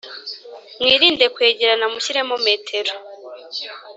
Mwirinde kwegerana mushyiremo metero